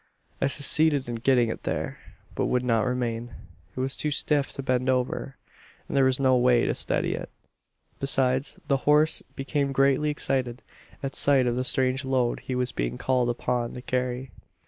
"I succeeded in getting it there, but it would not remain. It was too stiff to bend over, and there was no way to steady it. "Besides, the horse became greatly excited, at sight of the strange load he was being called upon to carry.